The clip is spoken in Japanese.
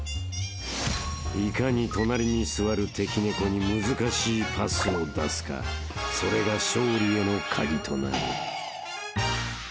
［いかに隣に座る敵猫に難しいパスを出すかそれが勝利への鍵となる］